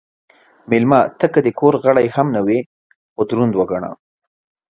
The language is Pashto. مېلمه ته که د کور غړی هم نه وي، خو دروند وګڼه.